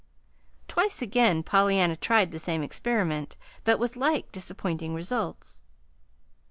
Twice again Pollyanna tried the same experiment, but with like disappointing results.